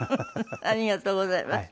ありがとうございます。